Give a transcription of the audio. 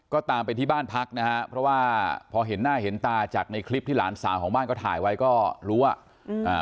ก็ตามไปที่บ้านพักนะฮะเพราะว่าพอเห็นหน้าเห็นตาจากในคลิปที่หลานสาวของบ้านก็ถ่ายไว้ก็รู้อ่ะอืมอ่า